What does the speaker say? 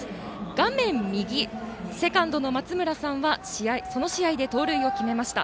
画面右、セカンドのまつむらさんはその試合で盗塁を決めました。